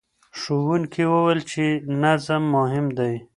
ښوونکي وویل چې نظم مهم دی.